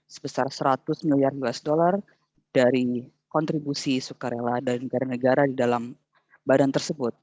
sebesar seratus miliar usd dari kontribusi sukarela dari negara negara di dalam badan tersebut